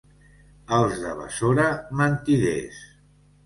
Els de Besora, mentiders.